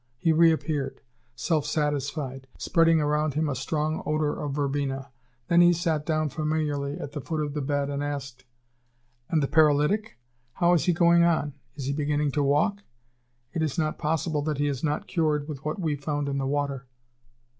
He reappeared, self satisfied, spreading around him a strong odor of verbena. Then he sat down familiarly at the foot of the bed, and asked: "And the paralytic? How is he going on? Is he beginning to walk? It is not possible that he is not cured with what we found in the water!"